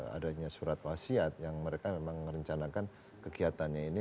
adanya surat wasiat yang mereka memang merencanakan kegiatannya ini